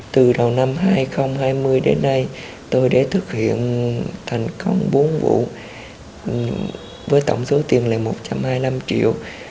từ đầu năm hai nghìn hai mươi đến nay tôi đã thực hiện thành công bốn vụ với tổng số tiền là một trăm hai mươi năm triệu